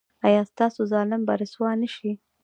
ایا ستاسو ظالم به رسوا شي؟